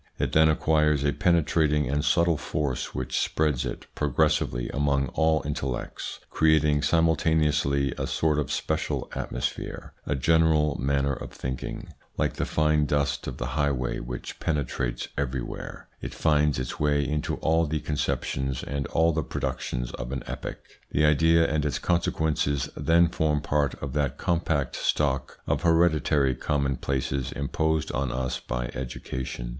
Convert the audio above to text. It then acquires a penetrating and subtle force which spreads it progressively among all intellects, creating simul taneously a sort of special atmosphere, a general manner of thinking. Like the fine dust of the high ITS INFLUENCE ON THEIR EVOLUTION 175 way which penetrates everywhere, it finds its way into all the conceptions and all the productions of an epoch. The idea and its consequences then form part of that compact stock of hereditary commonplaces imposed on us by education.